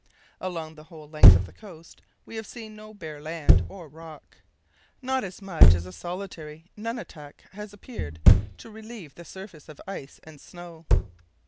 Along the whole length of the coast we have seen no bare land or rock. Not as much as a solitary nunatak has appeared to relieve the surface of ice and snow.